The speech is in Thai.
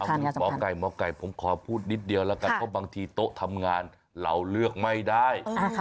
หมอไก่หมอไก่ผมขอพูดนิดเดียวแล้วกันเพราะบางทีโต๊ะทำงานเราเลือกไม่ได้